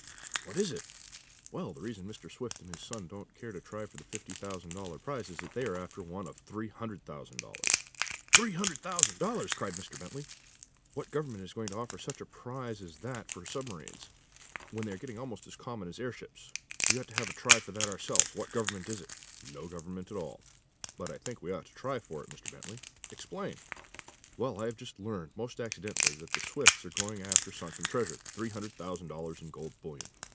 "What is it?" "Well, the reason Mr. Swift and his son don't care to try for the fifty thousand dollar prize is that they are after one of three hundred thousand dollars." "Three hundred thousand dollars!" cried Mr. Bentley. "What government is going to offer such a prize as that for submarines, when they are getting almost as common as airships? We ought to have a try for that ourselves. What government is it?" "No government at all. But I think we ought to have a try for it, Mr. Bentley." "Explain." "Well, I have just learned, most accidentally, that the Swifts are going after sunken treasure three hundred thousand dollars in gold bullion."